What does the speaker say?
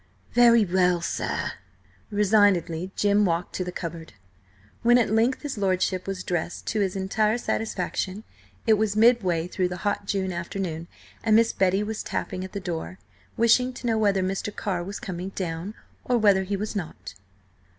"Very well, sir." Resignedly Jim walked to the cupboard. When at length his lordship was dressed to his entire satisfaction it was midway through the hot June afternoon, and Miss Betty was tapping at the door, wishing to know whether Mr. Carr was coming down, or whether he was not.